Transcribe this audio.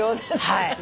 はい。